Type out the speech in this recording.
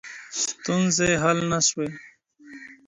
ستونزي حل نه سوې.